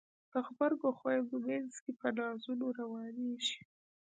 د غبرګو خویندو مینځ کې په نازونو روانیږي